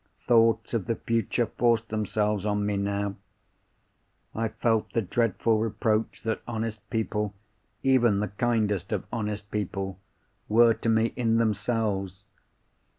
Thoughts of the future forced themselves on me now. I felt the dreadful reproach that honest people—even the kindest of honest people—were to me in themselves.